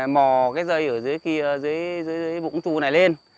mò cái dây ở dưới kia dưới dưới vũng chu này lên